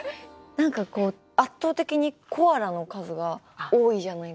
圧倒的にコアラの数が多いじゃないですか。